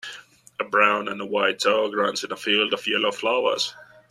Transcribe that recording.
A brown and white dog runs in a field of yellow flowers.